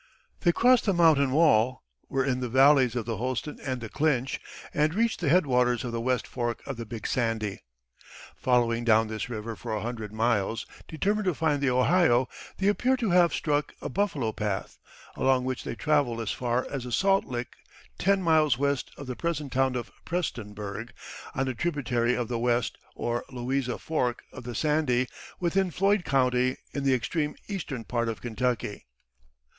They crossed the mountain wall, were in the valleys of the Holston and the Clinch, and reached the head waters of the West Fork of the Big Sandy. Following down this river for a hundred miles, determined to find the Ohio, they appear to have struck a buffalo path, along which they traveled as far as a salt lick ten miles west of the present town of Prestonburg, on a tributary of the West (or Louisa) Fork of the Sandy, within Floyd County, in the extreme eastern part of Kentucky.